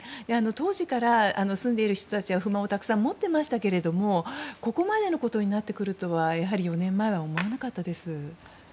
当時から住んでいる人たちは不満をたくさん持っていましたがここまでのことになってくるとは４年前は思わなかったです。